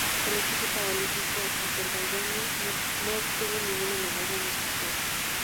El equipo paralímpico azerbaiyano no obtuvo ninguna medalla en estos Juegos.